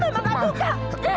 mama gak suka